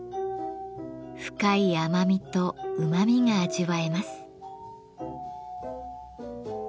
深い甘みとうまみが味わえます。